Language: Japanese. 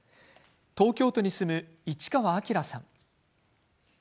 東京都に住む市川明さん。